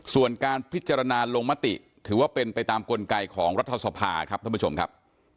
ส่วนการพิจารณาลงมติถือว่าเป็นไปตามกลไกของรัฐสภาครับท่านผู้ชมครับ